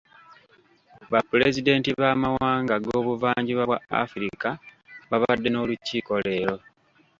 Bapulezidenti b'amawanga g'obuvanjuba bwa Africa babadde n'olukiiko leero.